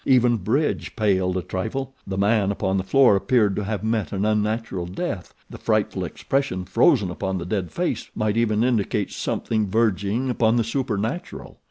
Even Bridge paled a trifle. The man upon the floor appeared to have met an unnatural death the frightful expression frozen upon the dead face might even indicate something verging upon the supernatural.